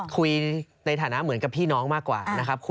คุยในฐานะเหมือนกับพี่น้องมากกว่านะครับ